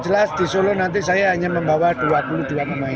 jelas di solo nanti saya hanya membawa dua puluh dua pemain